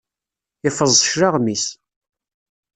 Iffeẓ cclaɣem-is.